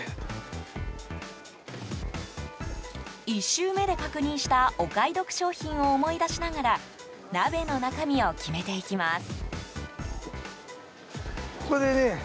１周目で確認したお買い得商品を思い出しながら鍋の中身を決めていきます。